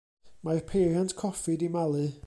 Mae'r peiriant coffi 'di malu.